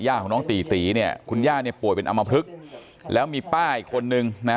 ของน้องตีตีเนี่ยคุณย่าเนี่ยป่วยเป็นอำมพลึกแล้วมีป้าอีกคนนึงนะ